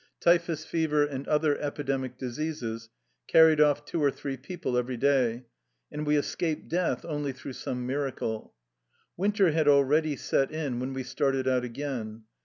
Typhus fever and other epidemic diseases carried off two or three people every day, and we escaped death only through some miracle. Winter had already set in when we started out again.